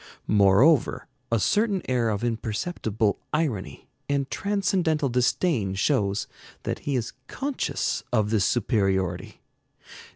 Moreover, a certain air of imperceptible irony and transcendental disdain shows that he is conscious of this superiority.